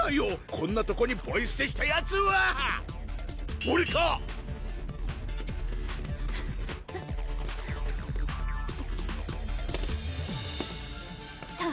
こんなとこにポイすてしたヤツはオレか⁉さぁ